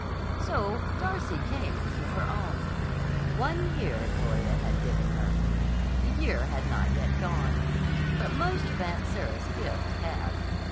So Darcy came into her own. One year Gloria had given her. The year had not yet gone. But most of Aunt Sarah's gift had.